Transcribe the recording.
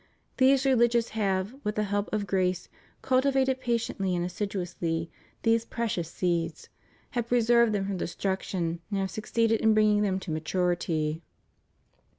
These rehgious have, with the help of grace, cultivated patiently and assiduously these precious seeds, have preserved them from destruction and have succeeded in bringing them to maturity.